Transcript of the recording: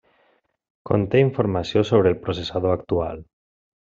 Conté informació sobre el processador actual.